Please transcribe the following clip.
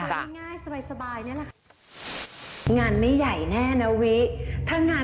เหมือนกันเองทั้งนาน